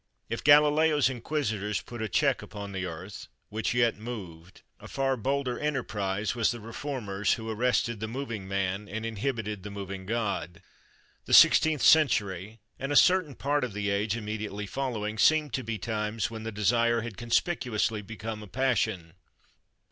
If Galileo's Inquisitors put a check upon the earth, which yet moved, a far bolder enterprise was the Reformers' who arrested the moving man, and inhibited the moving God. The sixteenth century and a certain part of the age immediately following seem to be times when the desire had conspicuously become a passion.